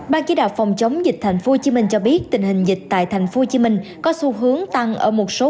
ban chỉ đạo phòng chống dịch tp hcm cho biết tình hình dịch tại tp hcm có xu hướng tăng ở một số